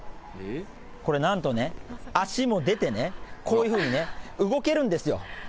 これ、なんとね、足も出てね、こういうふうにね、動けるんですよ。